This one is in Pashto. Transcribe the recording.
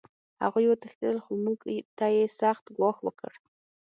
هغوی وتښتېدل خو موږ ته یې سخت ګواښ وکړ